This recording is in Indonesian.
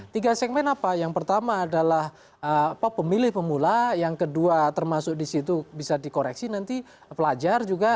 tiga segmen apa yang pertama adalah pemilih pemula yang kedua termasuk di situ bisa dikoreksi nanti pelajar juga